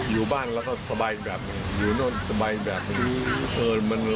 อยู่บ้างแล้วก็สบายอย่างแบบหนึ่งอยู่นอนสบายอีกแบบหนึ่ง